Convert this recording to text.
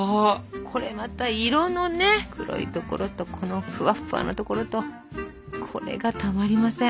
これまた色のね黒いところとこのフワフワなところとこれがたまりません。